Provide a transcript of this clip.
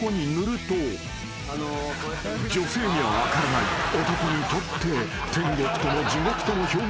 ［女性には分からない男にとって天国とも地獄とも表現できない